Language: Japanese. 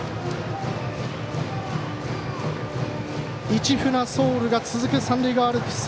「市船ソウル」が続く三塁側アルプス。